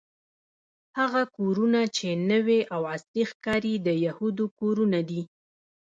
هغه کورونه چې نوې او عصري ښکاري د یهودو کورونه دي.